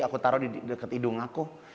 aku taruh di dekat hidung aku